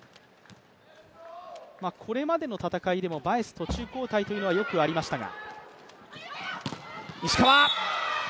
これまでの戦いでもバイス、途中交代というのはよくありましたが。